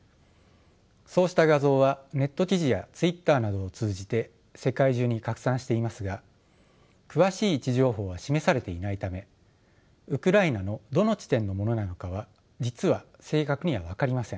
そうした画像はネット記事やＴｗｉｔｔｅｒなどを通じて世界中に拡散していますが詳しい位置情報は示されていないためウクライナのどの地点のものなのかは実は正確には分かりません。